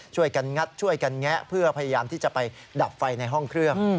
ช่วยกันงัดช่วยกันแงะเพื่อพยายามที่จะไปดับไฟในห้องเครื่อง